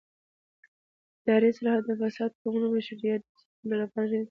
اداري اصلاحات د فساد کمولو او مشروعیت د ساتلو لپاره اړین دي